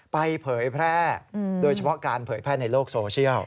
เผยแพร่โดยเฉพาะการเผยแพร่ในโลกโซเชียล